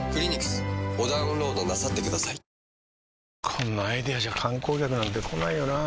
こんなアイデアじゃ観光客なんて来ないよなあ